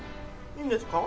いいんですか？